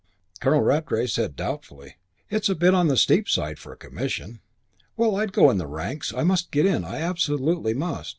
Colonel Rattray said doubtfully, "It's a bit on the steep side for a commission." "Well, I'd go in the ranks. I must get in. I absolutely must."